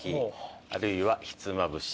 あるいはひつまぶし。